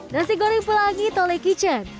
nasi goreng pelangi tole kitchen